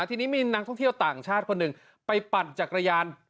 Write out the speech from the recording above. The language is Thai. ทีนี้มีนักท่องเที่ยวต่างชาติคนหนึ่งไปปั่นจักรยาน